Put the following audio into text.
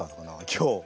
今日。